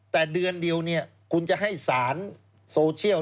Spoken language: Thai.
แต่เดือนเดียวคุณจะให้สารโซเชียล